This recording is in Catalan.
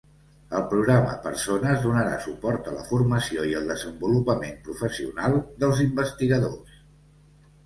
El programa Persones donarà suport a la formació i el desenvolupament professional dels investigadors.